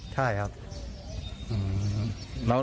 ใช่ครับ